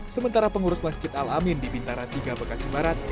sementara pengurus masjid al amin di bintara tiga bekasi barat